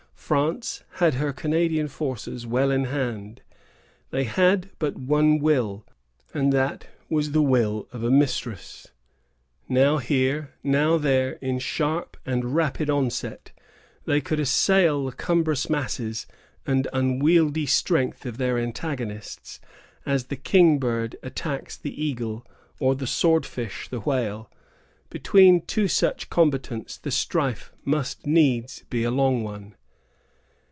France had her Canadian forces well in hand. They had but one will, and that was the will of a mistress. Now here, now there, in sharp and rapid onset, they could assail the cumbrous masses and unwieldy strength of their antagonists, as the king bird attacks the eagle, or the sword fish the whale. Between two such combatants the strife must needs be a long one.